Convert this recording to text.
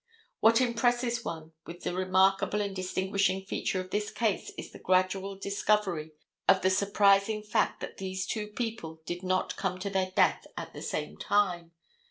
What impresses one as the remarkable and distinguishing feature of this case is the gradual discovery of the surprising fact that these two people did not come to their death at the same time.